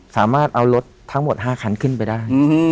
สามารถเอารถทั้งหมด๕คันขึ้นไปได้